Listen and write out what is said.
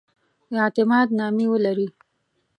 اعتماد نامې ولري.